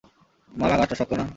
মামা, গাছটা শক্ত না?